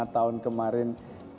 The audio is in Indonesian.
lima tahun kemarin dua ribu